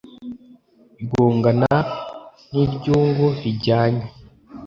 Igongana ry inyungu rijyanye